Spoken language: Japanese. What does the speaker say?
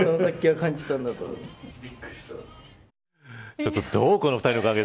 ちょっとどうこの二人の関係。